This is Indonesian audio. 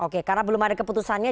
karena belum ada keputusannya